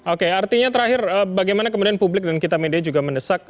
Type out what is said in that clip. oke artinya terakhir bagaimana kemudian publik dan kita media juga mendesak